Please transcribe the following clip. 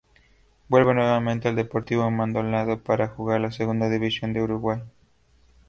Vuelve nuevamente al Deportivo Maldonado para jugar la Segunda División de Uruguay.